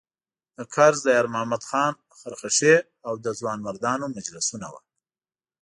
د کرز د یارمحمد خان خرخښې او د ځوانمردانو مجلسونه وو.